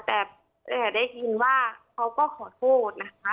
แต่ได้ยินว่าเขาก็ขอโทษนะคะ